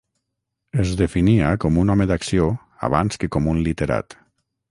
Es definia com un home d'acció, abans que com un literat.